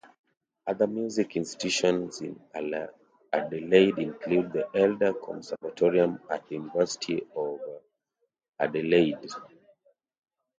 Other music institutions in Adelaide include the Elder Conservatorium at the University of Adelaide.